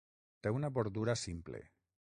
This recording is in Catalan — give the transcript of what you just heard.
Té una bordura simple.